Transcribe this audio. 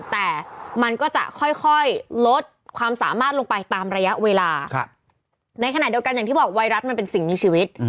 แต่มันก็จะค่อยลดความสามารถลงไปตามระยะเวลาในขณะเดียวกันอย่างที่บอกไวรัสมันเป็นสิ่งมีชีวิต